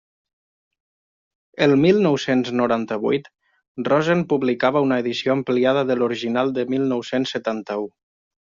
El mil nou-cents noranta-vuit, Rosen publicava una edició ampliada de l'original del mil nou-cents setanta-u.